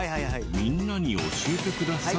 みんなに教えてください。